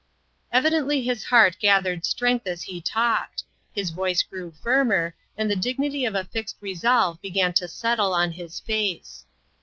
Evidently his heart gathered strength as he talked ; his voice grew firmer, and the dignity of a fixed resolve began to settle on his face.